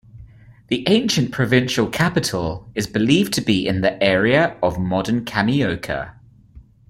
The ancient provincial capital is believed to be in the area of modern Kameoka.